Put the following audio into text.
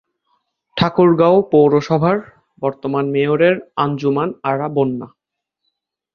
ঠাকুরগাঁও পৌরসভার বর্তমান মেয়রের আঞ্জুমান আরা বন্যা।